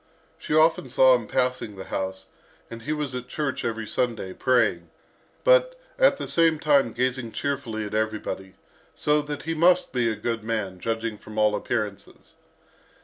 She often saw him passing the house, and he was at church every Sunday, praying, but at the same time gazing cheerfully at everybody; so that he must be a good man, judging from all appearances.